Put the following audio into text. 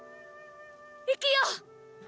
生きよう！